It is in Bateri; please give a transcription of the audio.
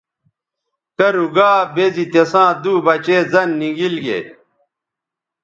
کرُو گا بے زی تِساں دُو بچے زَن نی گیل گے۔